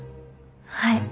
はい。